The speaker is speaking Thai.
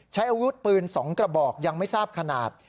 ใช้อาวุธปืน๒กระบอกยังไม่ทราบขนาด